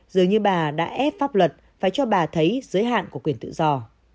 giờ như bà đã ép pháp luật phải cho bà thấy giới hạn của quyền tự do